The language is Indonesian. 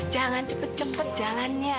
jangan cepet cepet jalannya